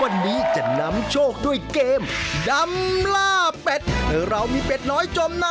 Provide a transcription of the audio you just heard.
ก็ดีเหมือนกันทุกคนนะครับทุกคน